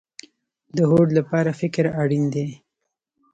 د هوډ لپاره فکر اړین دی